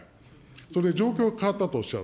それで状況が変わったとおっしゃる。